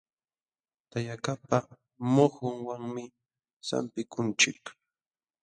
Tayakaqpa muhunwanmi sampikunchik.